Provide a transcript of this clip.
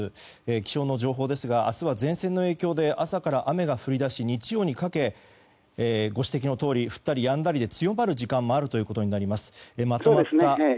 気象の情報ですが明日は前線の影響で朝から雨が降り出し日曜にかけご指摘のとおり降ったりやんだりで強まる時間もあるということになります。